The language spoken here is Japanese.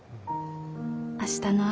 「明日の朝」。